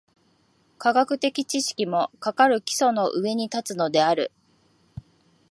科学的知識も、かかる基礎の上に立つのである。